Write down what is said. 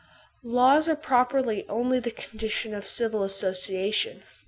Laws are properly only the conditions of civil associa tion.